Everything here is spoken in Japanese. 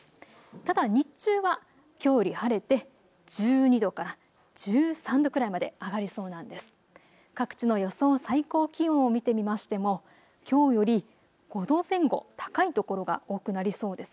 ただ日中はきょうより晴れて１２度から１３度くらいまで上がる予想なんです。